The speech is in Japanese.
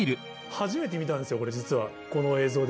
初めて見たんですよこれ実はこの映像で。